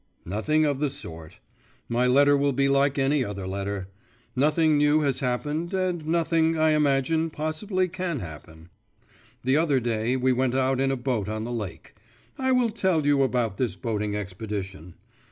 … Nothing of the sort. My letter will be like any other letter. Nothing new has happened, and nothing, I imagine, possibly can happen. The other day we went out in a boat on the lake. I will tell you about this boating expedition.